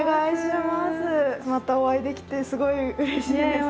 またお会いできてすごいうれしいです。